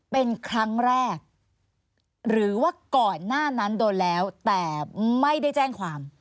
เป็นครั้งแรกหรือว่าก่อนหน้านั้นโดนแล้วแต่ไม่ได้แจ้งความ